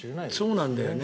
そうなんだよね。